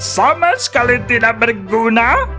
sama sekali tidak berguna